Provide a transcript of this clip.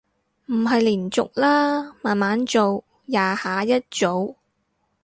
唔係連續啦，慢慢做，廿下一組